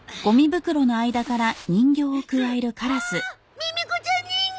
ミミ子ちゃん人形！